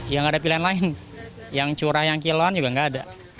ya enggak ada pilihan lain yang curah yang kilon juga enggak ada